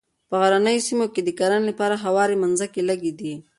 په غرنیو سیمو کې د کرنې لپاره هوارې مځکې لږې دي.